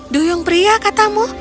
duyung pria katamu